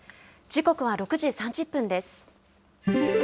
時刻は６時３０分です。